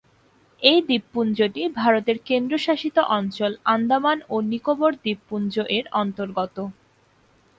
এই দ্বীপপুঞ্জটি ভারতের কেন্দ্রশাসিত অঞ্চল আন্দামান ও নিকোবর দ্বীপপুঞ্জ এর অন্তর্গত।